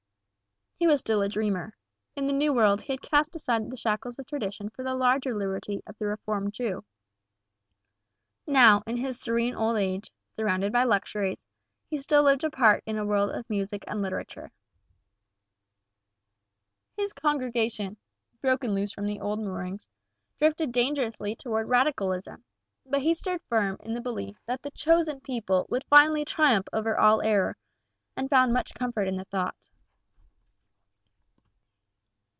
He was still a dreamer. In the new world he had cast aside the shackles of tradition for the larger liberty of the Reformed Jew. Now in his serene old age, surrounded by luxuries, he still lived apart in a world of music and literature. His congregation, broken loose from the old moorings, drifted dangerously away towards radicalism, but he stood firm in the belief that the "chosen people" would finally triumph over all error, and found much comfort in the thought.